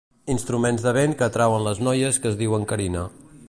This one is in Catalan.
Instruments de vent que atrauen les noies que es diuen Carina.